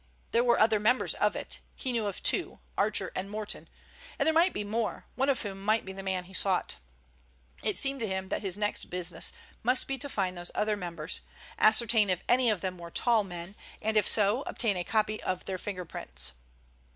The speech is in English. There were other members of it—he knew of two, Archer and Morton, and there might be more—one of whom might be the man he sought. It seemed to him that his next business must be to find those other members, ascertain if any of them were tall men, and if so, obtain a copy of their finger prints.